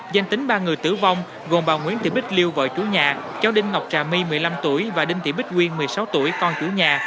danh tính ba người tử vong gồm bà nguyễn thị bích lưu vợ chủ nhà cháu đinh ngọc trà my một mươi năm tuổi và đinh thị bích quyên một mươi sáu tuổi con chủ nhà